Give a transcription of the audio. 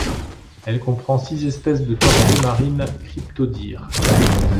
Elle comprend six espèces de tortue marine cryptodires.